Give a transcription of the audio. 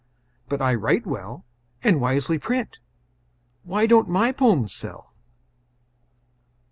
But I write well, And wisely print. Why don't my poems sell?"